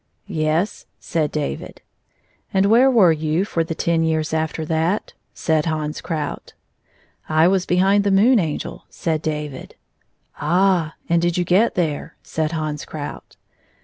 " Yes," said David. " And where were you for the ten years after that ?" said Hans Krout. " I was behind the Moon Angel," said David. "Ah! and did you get there?" said Hans Krout.